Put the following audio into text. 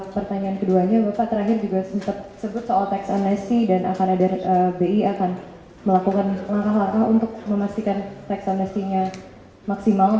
pertanyaan keduanya bapak terakhir juga sempat sebut soal tax amnesty dan akan ada bi akan melakukan langkah langkah untuk memastikan tax amnesty nya maksimal